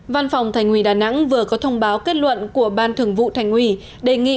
văn phòng thành ủy đà nẵng vừa có thông báo kết luận của ban thường vụ thành ủy đề nghị